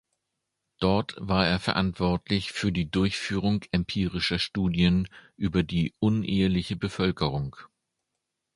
Dort war er verantwortlich für die Durchführung empirischer Studien über die uneheliche Bevölkerung.